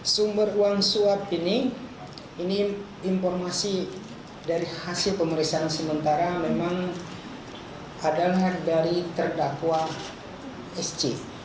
sumber uang suap ini ini informasi dari hasil pemeriksaan sementara memang adalah dari terdakwa sc